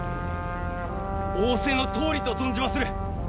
仰せのとおりと存じまする！